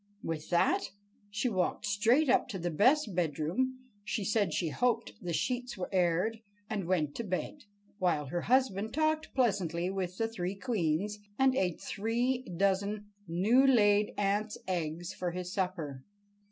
With that she walked straight up to the best bedroom, said she hoped the sheets were aired, and went to bed, while her husband talked pleasantly with the three queens, and ate three dozen new laid ants' eggs for his supper.